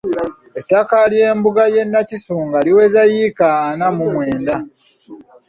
Ettaka ly’embuga y’e Nakisunga liweza yiika ana mu mwenda.